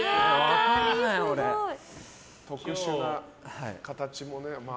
特殊な形もね。